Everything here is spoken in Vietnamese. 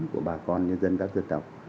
của bà con nhân dân các dân tộc